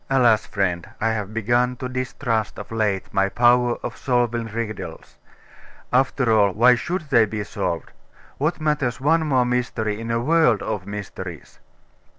'Alas, friend! I have begun to distrust, of late, my power of solving riddles. After all, why should they be solved? What matters one more mystery in a world of mysteries?